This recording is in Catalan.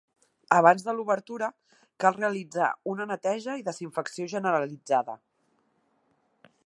Abans de l'obertura cal realitzar una neteja i desinfecció generalitzada.